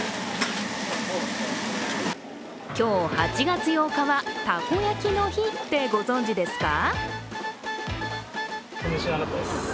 今日８月８日はたこ焼きの日ってご存じですか？